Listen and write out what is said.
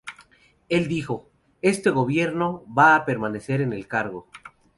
El dijo: "Este gobierno va a permanecer en el cargo.